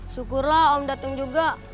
syukurlah om dateng juga